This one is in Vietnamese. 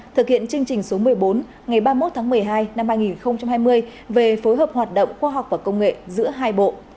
thực hiện chương trình số một mươi bốn ngày ba mươi một tháng một mươi hai năm hai nghìn hai mươi về phối hợp hoạt động khoa học và công nghệ giữa hai bộ